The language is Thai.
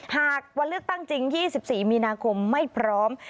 หากวันเลือกตั้งจริง๒๔มีนาคมไม่พร้อม